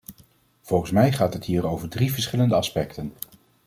Volgens mij gaat het hier over drie verschillende aspecten.